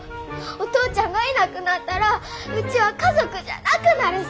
お父ちゃんがいなくなったらうちは家族じゃなくなるさぁ！